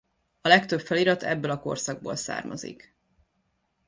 A legtöbb felirat ebből a korszakból származik.